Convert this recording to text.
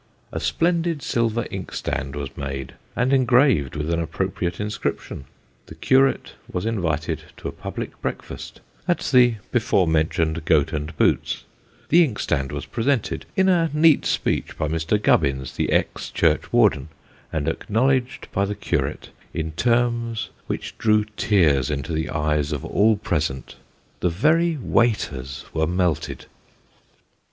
A splendid silver inkstand was made, and engraved with an appropriate inscription ; the curate was invited to a public breakfast, at the before mentioned Goat and Boots ; the inkstand was presented in a neat speech by Mr. Gubbins, the ex churchwarden, and acknowledged by the curate in terms which drew tears into the eyes of all present the very waiters were melted.